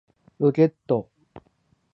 ロケット